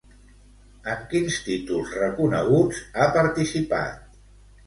En quins títols reconeguts ha participat?